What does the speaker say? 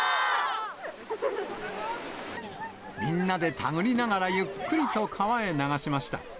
みんなで手繰りながらゆっくりと川へ流しました。